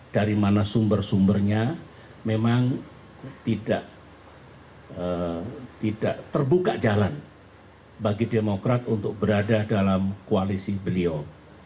dari mana sumber sumbernya memang tidak terbuka jalan bagi demokrat untuk berada dalam koalisi beliau